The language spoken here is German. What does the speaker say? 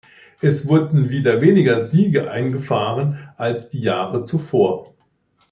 Es wurden wieder weniger Siege eingefahren als die Jahre zuvor.